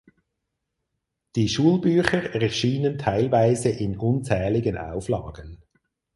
Die Schulbücher erschienen teilweise in unzähligen Auflagen.